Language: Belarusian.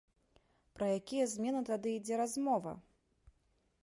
Пра якія змены тады ідзе размова?